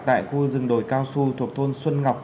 tại khu rừng đồi cao su thuộc thôn xuân ngọc